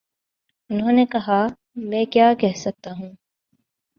انہوں نے کہا: میں کیا کہہ سکتا ہوں۔